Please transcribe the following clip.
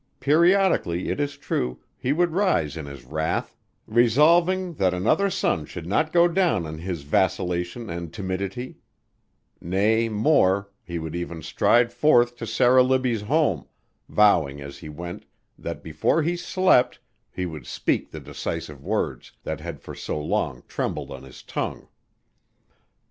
Periodically, it is true, he would rise in his wrath, resolving that another sun should not go down on his vacillation and timidity; nay, more, he would even stride forth to Sarah Libbie's home, vowing as he went that before he slept he would speak the decisive words that had for so long trembled on his tongue.